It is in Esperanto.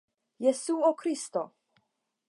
Jesuo Kristo!